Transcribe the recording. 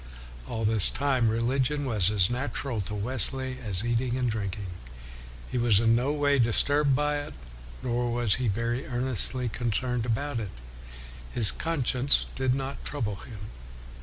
All this time, religion was as natural to Wesley as eating and drinking. He was in no way disturbed by it, nor was he very earnestly concerned about it. His con science did not trouble him.